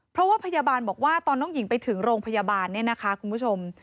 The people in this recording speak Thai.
เพราะว่าพยาบาลบอกว่าตอนน้องหญิงไปถึงโรงพยาบาลเนี่ยนะคะคุณผู้ชม